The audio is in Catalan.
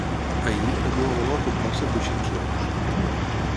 Ahir, la meva dona va comprar-se coixins nous.